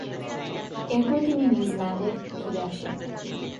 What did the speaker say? এরপর তিনি নিউজিল্যান্ডে ফিরে আসেন।